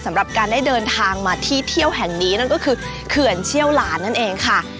สำหรับการได้เดินทางมาที่เที่ยวแห่งนี้นั่นก็คือเขื่อนเชี่ยวหลานนั่นเองค่ะ